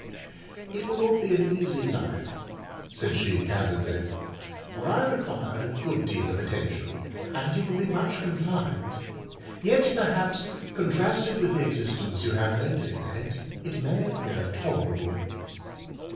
"It will not be an easy life;" said she candidly, "for I require a good deal of attention, and you will be much confined; yet, perhaps, contrasted with the existence you have lately led, it may appear tolerable."